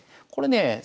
これねえ